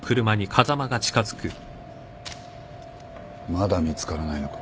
まだ見つからないのか。